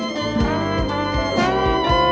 สวัสดีค่ะ